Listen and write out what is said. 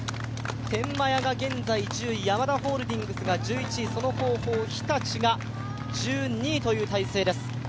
天満屋が現在１０位、ヤマダホールディングスが１１位、その後方、日立が１２位という体勢です。